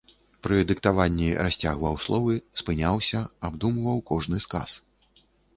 Пры дыктаванні расцягваў словы, спыняўся, абдумваў кожны сказ.